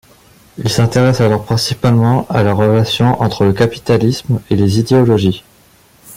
Il s'intéresse alors principalement à la relation entre le capitalisme et les idéologies.